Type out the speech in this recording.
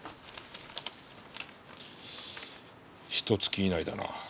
ひと月以内だな。